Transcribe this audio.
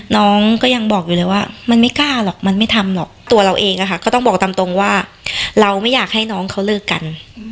น้องก็ยังบอกอยู่เลยว่ามันไม่กล้าหรอกมันไม่ทำหรอกตัวเราเองก็ต้องบอกตามตรงว่าเราไม่อยากให้น้องเขาเลิกกัน